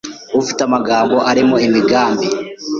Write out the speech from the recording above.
Ufite amagambo arimo imigambi.